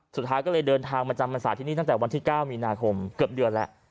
สุดท้ายก็เลยเดินทางมาจำบรรษาที่นี่ตั้งแต่วันที่๙มีนาคมเกือบเดือนแล้ว